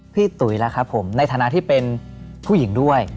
ตุ๋ยล่ะครับผมในฐานะที่เป็นผู้หญิงด้วย